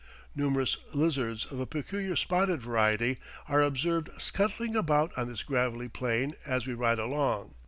Numerous lizards of a peculiar spotted variety are observed scuttling about on this gravelly plain as we ride along.